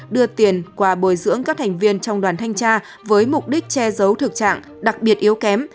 đưa tiền quà bồi dưỡng các thành viên trong đoàn thanh tra với mục đích che giấu thực trạng đặc biệt yếu kém